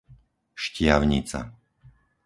Štiavnica